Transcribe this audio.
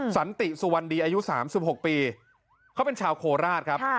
สันติสุวรรณดีอายุ๓๖ปีเขาเป็นชาวโคราชครับ